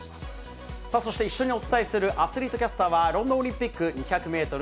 そして一緒にお伝えするアスリートキャスターは、ロンドンオリンピック２００メートル